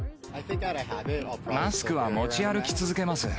マスクは持ち歩き続けます。